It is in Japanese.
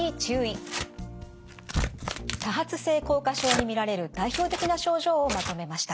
多発性硬化症に見られる代表的な症状をまとめました。